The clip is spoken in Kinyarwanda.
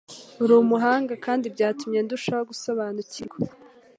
uri umuhanga kandi byatumye ndushaho gusobanukirwa.